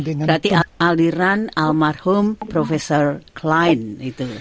berarti aliran almarhum prof klein itu